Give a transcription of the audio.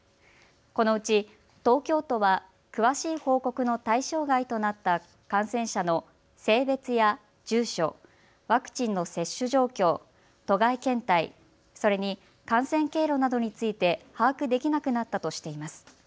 このうち東京都は詳しい報告の対象外となった感染者の性別や住所、ワクチンの接種状況、都外検体、それに感染経路などについて把握できなくなったとしています。